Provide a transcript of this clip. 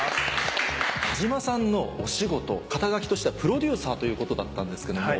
田島さんのお仕事肩書きとしてはプロデューサーということだったんですけども。